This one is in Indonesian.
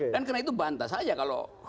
dan karena itu bantas saja kalau